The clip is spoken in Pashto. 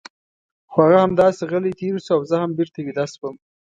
خو هغه همداسې غلی تېر شو او زه هم بېرته ویده شوم.